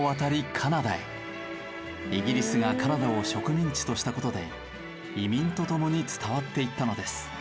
イギリスがカナダを植民地とした事で移民とともに伝わっていったのです。